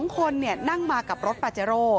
๒คนเนี่ยนั่งมากับรถปาเจโร